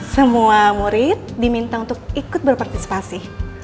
semua murid diminta untuk ikut berpartisipasi